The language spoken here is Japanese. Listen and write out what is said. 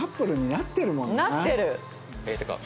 なってる。